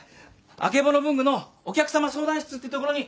あけぼの文具のお客様相談室ってところに働いてます。